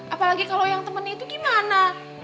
apalagi kalau yang temen itu gimana